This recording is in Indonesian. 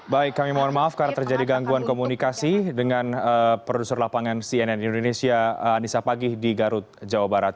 baik kami mohon maaf karena terjadi gangguan komunikasi dengan produser lapangan cnn indonesia anissa pagih di garut jawa barat